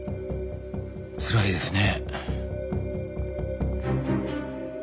つらいですね。